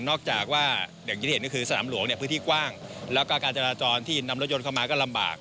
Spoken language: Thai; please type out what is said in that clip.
จากว่าอย่างที่เห็นก็คือสนามหลวงเนี่ยพื้นที่กว้างแล้วก็การจราจรที่นำรถยนต์เข้ามาก็ลำบาก